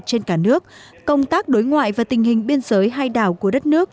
trên cả nước công tác đối ngoại và tình hình biên giới hai đảo của đất nước